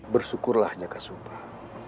bersyukurlah jaga supah